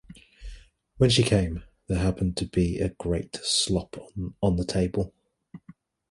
When she came, there happened to be a great slop on the table.